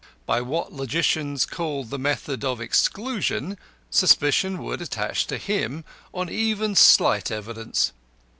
By what logicians called the method of exclusion, suspicion would attach to him on even slight evidence.